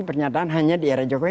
pernyataan hanya di era jokowi